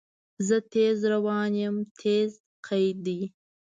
زه تیز روان یم – "تیز" قید دی.